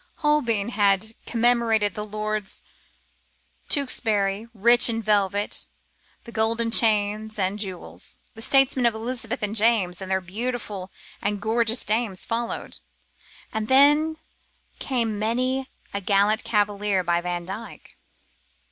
Holbein had commemorated the Lords Tewkesbury, rich in velvet, and golden chains, and jewels. The statesmen of Elizabeth and James, and their beautiful and gorgeous dames, followed; and then came many a gallant cavalier, by Vandyke.